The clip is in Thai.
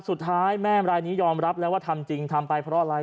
สุดท้ายแม่มรายนี้ยอมรับแล้วว่าทำจริงทำไปเพราะอะไร